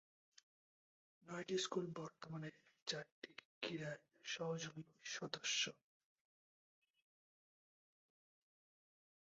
নয়টি স্কুল বর্তমানে চারটি ক্রীড়ায় সহযোগী সদস্য।